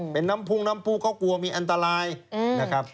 เป็นน้ำพุงน้ำผู้เขากลัวมีอันตรายนะครับ